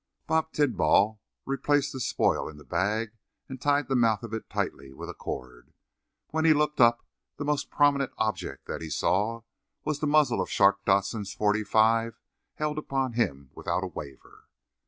Bob Tidball replaced the spoil in the bag and tied the mouth of it tightly with a cord. When he looked up the most prominent object that he saw was the muzzle of Shark Dodson's .45 held upon him without a waver.